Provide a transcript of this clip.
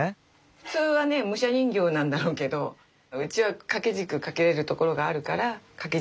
普通はね武者人形なんだろうけどうちは掛け軸掛けれる所があるから掛け軸にしました。